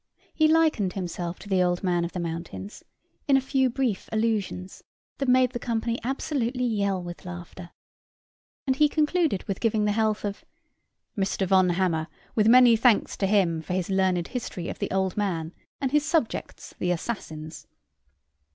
He likened himself to the Old Man of the Mountains, in a few brief allusions, that made the company absolutely yell with laughter; and he concluded with giving the health of Mr. Von Hammer, with many thanks to him for his learned History of the Old Man and his subjects the assassins.